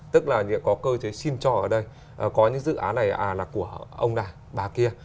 tức là có cơ chế xin cho ở đây có những dự án này là của ông đà bà kia